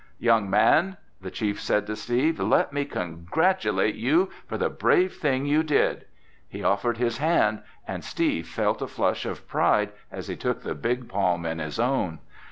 "Young man," the chief said to Steve, "let me congratulate you for the brave thing you did." He offered his hand and Steve felt a flush of pride as he took the big palm in his own.